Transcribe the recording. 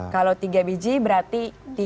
kalau tiga biji berarti